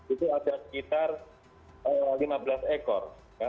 itu ada sekitar lima belas ekor